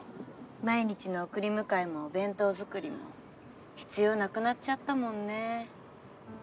毎日の送り迎えもお弁当作りも必要なくなっちゃったもんね。